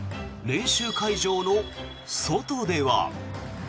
練習会場の外では。